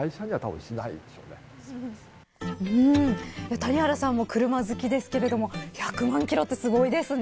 谷原さんも車好きですけれども１００万キロってすごいですね。